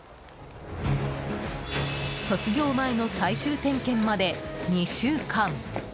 卒業前の最終点検まで２週間。